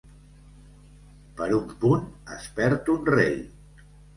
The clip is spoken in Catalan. Per un punt es perd un rei.